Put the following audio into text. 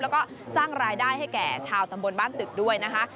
แล้วก็สร้างรายได้ให้แก่ชาวตำบลบ้านตึกด้วยนะคะ